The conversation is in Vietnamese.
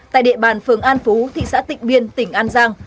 tại địa bàn phường an phú thị xã tịnh biên tỉnh an giang